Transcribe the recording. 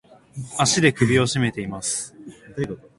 足で首をしめています。